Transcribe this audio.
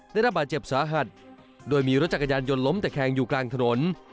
ได้รับบาดเจ็บสาหัสโดยมีรถจักรยานยนต์ล้มตะแคงอยู่กลางถนน